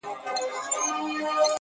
خلک يوازي بقا غواړي دلته,